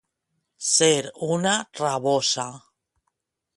Ser una rabosa.